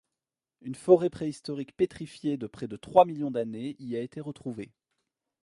Une forêt préhistorique pétrifiée de près de trois millions d'années y a été retrouvée.